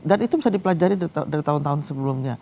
dan itu bisa dipelajari dari tahun tahun sebelumnya